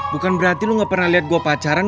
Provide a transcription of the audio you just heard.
bukan berarti lu gak pernah liat gue pacaran